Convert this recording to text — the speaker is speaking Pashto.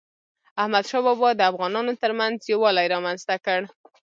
احمدشاه بابا د افغانانو ترمنځ یووالی رامنځته کړ.